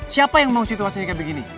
siapa yang mau situasinya kayak begini